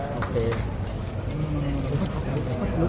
สวัสดีครับ